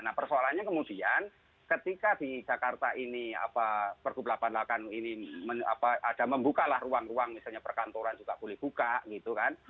nah persoalannya kemudian ketika di jakarta ini pergub delapan puluh delapan ini ada membukalah ruang ruang misalnya perkantoran juga boleh buka gitu kan